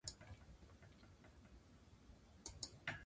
部屋を掃除しました。